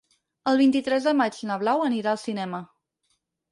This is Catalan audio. El vint-i-tres de maig na Blau anirà al cinema.